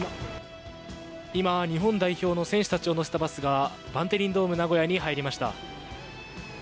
今、日本代表の選手たちを乗せたバスがバンテリンドームナゴヤに入りました。